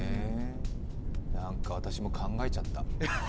何か私も考えちゃった。